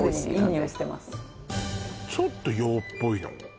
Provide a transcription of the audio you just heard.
ちょっと洋っぽいの？